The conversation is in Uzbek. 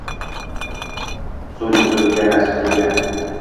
so'm undirilgani ajtalangan